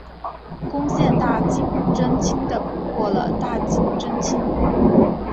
攻陷大井贞清的捕获了大井贞清。